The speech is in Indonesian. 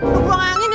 lu buang angin ya